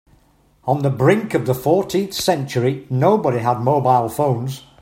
On the brink of the fourteenth century, nobody had mobile phones.